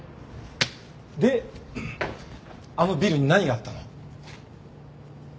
であのビルに何があったの？